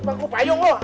tembak gua payung gua